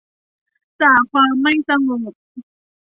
จากความไม่สงบ